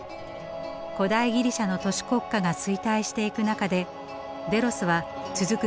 古代ギリシャの都市国家が衰退していく中でデロスは続く